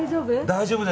大丈夫？